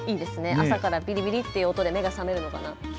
朝からビリビリっという音で目が覚めるのかな。